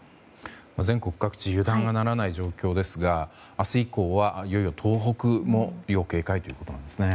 全国各地油断ならない状況ですが明日以降はいよいよ東北も要警戒ということですね。